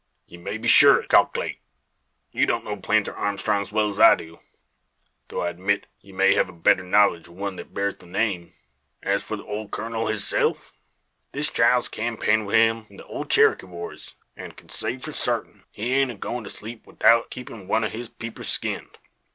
"Ye may be sure o't. Kalklate, ye don't know Planter Armstrong 's well's I do, tho' I admit ye may hev a better knowledge o' one that bears the name. As for the ole kurnel hisself, this chile's kampayned wi' him in the Cherokee wars, an' kin say for sartin he aint a goin' to sleep 'ithout keepin' one o' his peepers skinned.